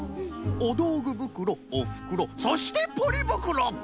おどうぐぶくろおふくろそしてポリぶくろ！